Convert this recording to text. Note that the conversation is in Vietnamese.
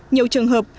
nhiều trường hợp